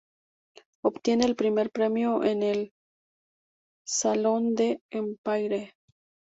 Obtiene el Primer Premio en el X Salón d’Empaire.